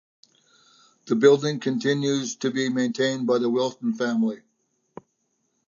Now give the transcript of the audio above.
The building continues to be maintained by the Wilson family.